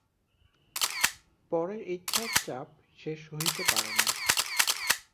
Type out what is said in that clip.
পরের ইচ্ছার চাপ সে সহিতে পারে না।